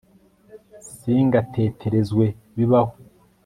singateterezwe bibaho